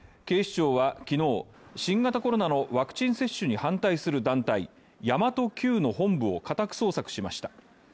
警視庁は、昨日新型コロナのワクチン接種に反対する団体・神真都Ｑの本部を家宅捜索しました。